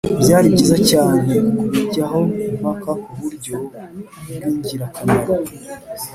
byari byiza cyane kubijyaho impaka ku buryo bw' ingirakamaro